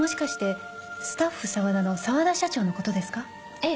ええ。